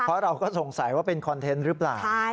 เพราะเราก็สงสัยว่าเป็นคอนเทนต์หรือเปล่า